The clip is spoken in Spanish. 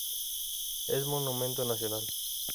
Es Monumento Nacional.